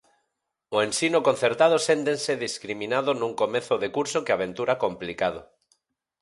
O ensino concertado séntense discriminado nun comezo de curso que aventura complicado.